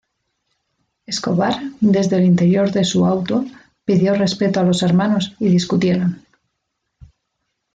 Escobar, desde el interior de su auto, pidió respeto a los hermanos y discutieron.